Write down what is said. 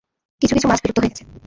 কিছু কিছু মাছ বিলুপ্ত হয়ে গেছে।